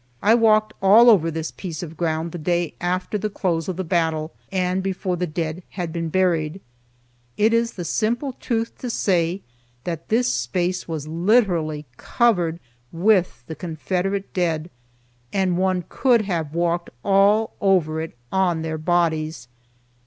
I walked all over this piece of ground the day after the close of the battle, and before the dead had been buried. It is the simple truth to say that this space was literally covered with the Confederate dead, and one could have walked all over it on their bodies.